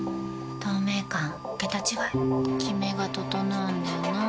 透明感桁違いキメが整うんだよな。